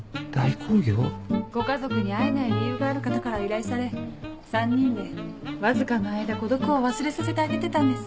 ご家族に会えない理由がある方から依頼され３人でわずかの間孤独を忘れさせてあげてたんです。